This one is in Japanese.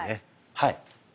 はい。